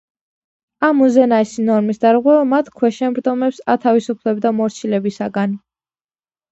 ამ უზენაესი ნორმის დარღვევა მათ ქვეშევრდომებს ათავისუფლებდა მორჩილებისაგან.